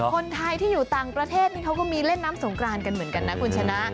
คนไทยที่อยู่ต่างประเทศนี้เขาก็มีเล่นน้ำสงกรานกันเหมือนกันนะคุณชนะ